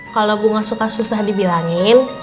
kalo bu gak suka susah dibilangin